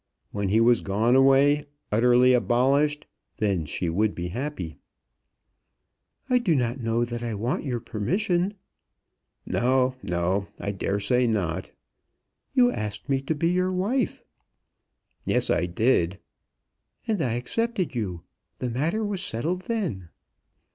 When he was gone away, utterly abolished, then she would be happy. "I do not know that I want your permission." "No, no; I daresay not." "You asked me to be your wife." "Yes; I did." "And I accepted you. The matter was settled then."